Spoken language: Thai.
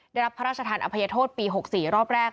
ได้รับพระราชทานอภัยโทษปี๖๔รอบแรก